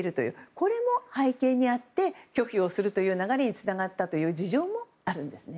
これも背景にあって拒否をする流れにつながったという事情もあるんですね。